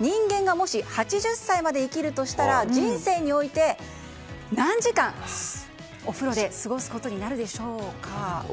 人間がもし８０歳まで生きるとしたら人生において何時間、お風呂で過ごすことになるでしょうか。